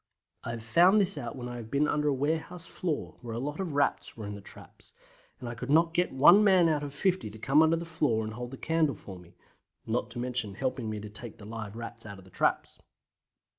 I have found this out when I have been under a warehouse floor, where a lot of Rats were in the traps, and I could not get one man out of 50 to come under the floor and hold the candle for me, not to mention helping me to take the live Rats out of the traps.